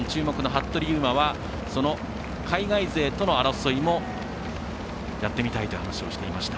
服部勇馬は、海外勢との争いもやってみたいと話していました。